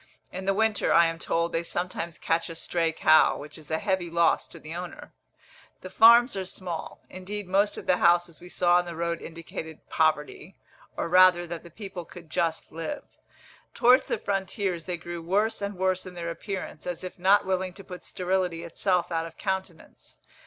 In the winter, I am told, they sometimes catch a stray cow, which is a heavy loss to the owner. The farms are small. Indeed most of the houses we saw on the road indicated poverty, or rather that the people could just live. Towards the frontiers they grew worse and worse in their appearance, as if not willing to put sterility itself out of countenance.